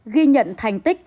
ghi nhận thành tích